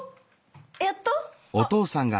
やっと？